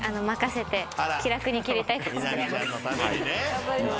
頑張ります。